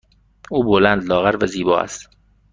او بلند، لاغر و زیبا است.